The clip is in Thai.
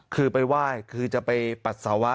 คือไปไหว้คือจะไปปัสสาวะ